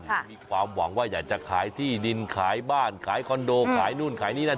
มีความหวังว่าอยากจะขายที่ดินขายบ้านขายคอนโดขายนู่นขายนี่นั่น